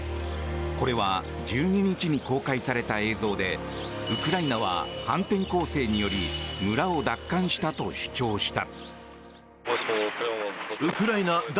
これは１２日に公開された映像でウクライナは反転攻勢により村を奪還したと主張した。